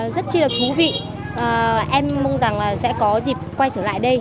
rất chi là thú vị em mong rằng là sẽ có dịp quay trở lại đây